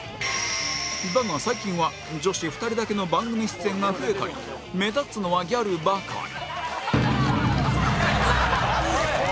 だが最近は女子２人だけの番組出演が増えたり目立つのはギャルばかり